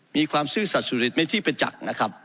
มีความสู้สัชสุริตไม่ที่เป็นจักรนะครับ